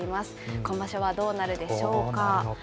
今場所はどうなるでしょうか。